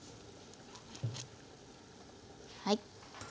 はい。